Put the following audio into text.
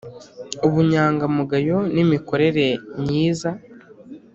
Ubunyangamugayo n imikorere nyiza